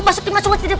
masukin masuk masuk